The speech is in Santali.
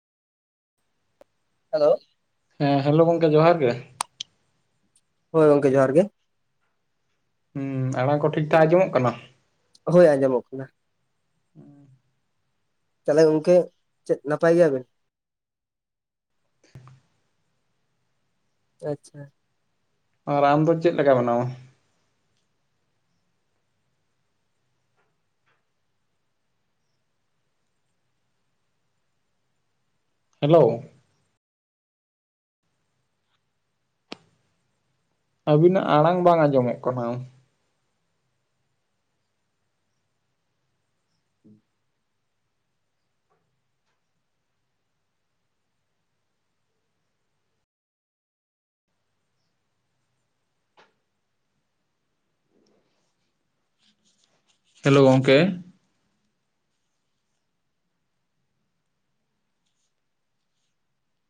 ᱦᱮᱞᱳ ᱦᱮᱸ ᱦᱮᱞᱳ ᱜᱚᱝᱠᱮ ᱡᱚᱦᱟᱨ ᱜᱮ? ᱦᱳᱭ ᱜᱚᱝᱠᱮ ᱡᱚᱦᱟᱨ ᱜᱮ? ᱦᱩᱸ ᱟᱲᱟᱝ ᱠᱚ ᱴᱷᱤᱠ ᱴᱷᱟᱠ ᱟᱸᱡᱚᱢᱚᱜ ᱠᱟᱱᱟ? ᱦᱳᱭ ᱟᱸᱡᱚᱢᱚᱜ ᱠᱟᱱᱟ᱾ [inaudible] ᱛᱟᱦᱚᱞᱮ ᱜᱚᱝᱠᱮ ᱪᱮᱫ ᱱᱟᱯᱟᱭ ᱜᱮᱭᱟᱵᱮᱱ? ᱟᱪᱪᱷᱟ᱾ ᱟᱨ ᱟᱢ ᱫᱚ ᱪᱮᱫ ᱞᱮᱠᱟ ᱢᱮᱱᱟᱢᱟ? ᱦᱮᱞᱳ, ᱟᱹᱵᱤᱱᱟᱜ ᱟᱲᱟᱝ ᱵᱟᱝ ᱟᱸᱡᱚᱢᱚᱜ ᱠᱟᱱᱟ᱾ ᱦᱮᱞᱳ ᱜᱚᱝᱠᱮ,